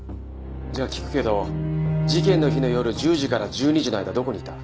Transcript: じゃあ聞くけど事件の日の夜１０時から１２時の間どこにいた？